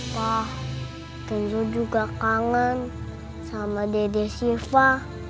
pa kenzo juga kangen sama dede siva